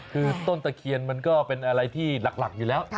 คือต้นตะเคียนมันก็เป็นอะไรที่หลักอยู่แล้ว